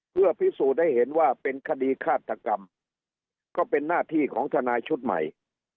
เพื่อพิสูจน์ให้เห็นว่าเป็นคดีฆาตกรรมก็เป็นหน้าที่ของทนายชุดใหม่